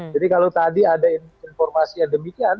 jadi kalau tadi ada informasi yang demikian